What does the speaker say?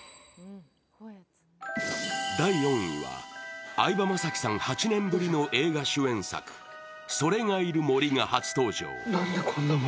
第４位は、相葉雅紀さん８年ぶりの映画主演作、「“それ”がいる森」が初登場。